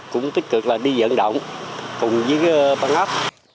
cũng tích cực là đi dẫn động cùng với băng ấp